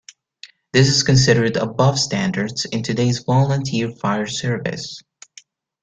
This is considered above standards in today's volunteer fire service.